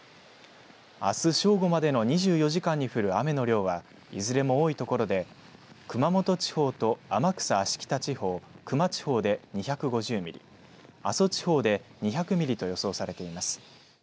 あす正午までの２４時間に降る雨の量はいずれも多いところで熊本地方と天草・芦北地方、球磨地方で２５０ミリ、阿蘇地方で２００ミリと予想されています。